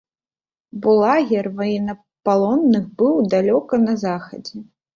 Бо лагер ваеннапалонных быў далёка на захадзе.